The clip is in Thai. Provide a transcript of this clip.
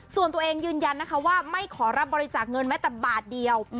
ส่วนตัวเองยืนยันนะคะว่าไม่ขอรับบริจาคเงินแม้แต่บาทเดียว